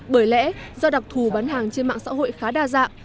bởi lẽ do đặc thù bán hàng trên mạng xã hội khá đa dạng